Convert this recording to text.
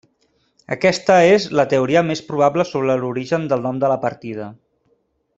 Aquesta és la teoria més probable sobre l'origen del nom de la partida.